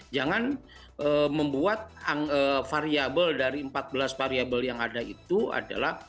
jangan membuat variable dari empat belas variable yang ada itu adalah